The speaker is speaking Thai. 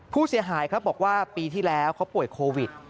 ผู้เสียหายครับบอกว่าปีที่แล้วเขาป่วยโควิด